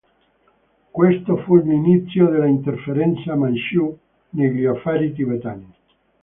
Questo fu l'inizio della interferenza Manciù negli affari tibetani.